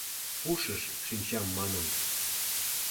Пушыш шинчам манын